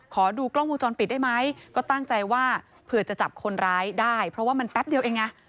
ขอดูกล้องวงจรปิดได้ไหมก็ตั้งใจว่าเผื่อจะจับคนร้ายได้เพราะว่ามันแป๊บเดียวเองไง